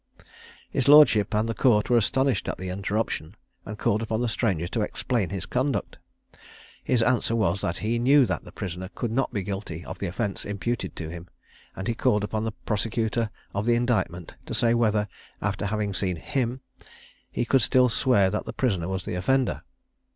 His lordship and the Court were astonished at the interruption, and called upon the stranger to explain his conduct. His answer was that he knew that the prisoner could not be guilty of the offence imputed to him; and he called upon the prosecutor of the indictment to say whether, after having seen him, he could still swear that the prisoner was the offender.